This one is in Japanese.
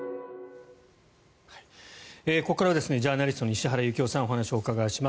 ここからはジャーナリストの石原行雄さんにお話をお伺いします。